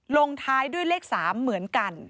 ลงท้ายด้วยเลข๓เหมือนกัน